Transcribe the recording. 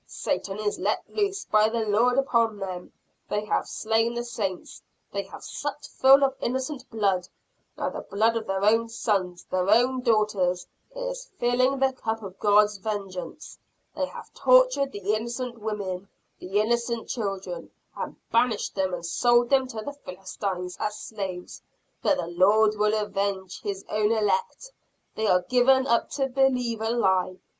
Satan is let loose by the Lord upon them! They have slain the saints, they have supped full of innocent blood; now the blood of their own sons, their own daughters, is filling the cup of God's vengeance! They have tortured the innocent women, the innocent children and banished them and sold them to the Philistines as slaves. But the Lord will avenge His own elect! They are given up to believe a lie!